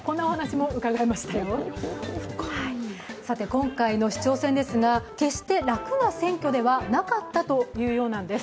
今回の市長選ですが決して楽な選挙ではなかったそうなんです。